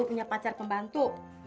punya pacar pembantu